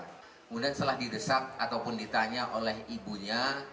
kemudian setelah didesak ataupun ditanya oleh ibunya